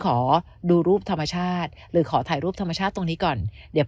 ขอดูรูปธรรมชาติหรือขอถ่ายรูปธรรมชาติตรงนี้ก่อนเดี๋ยว